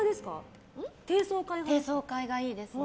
低層階がいいですね。